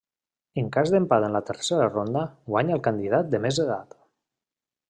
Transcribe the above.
En cas d'empat en la tercera ronda, guanya el candidat de més edat.